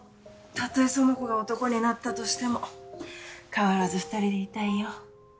たとえ苑子が男になったとしても変わらず二人でいたいよ。